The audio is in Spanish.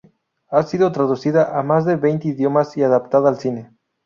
Ha sido traducida a más de veinte idiomas y adaptada al cine.